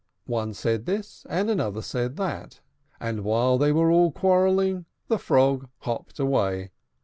One said this, and another said that; and while they were all quarrelling, the frog hopped away.